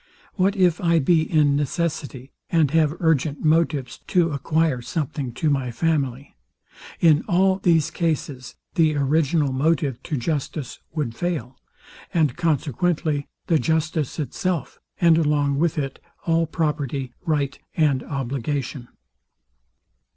What if I be in necessity, and have urgent motives to acquire something to my family? In all these cases, the original motive to justice would fail; and consequently the justice itself, and along with it all property, tight, and obligation.